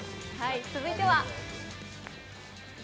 続いては。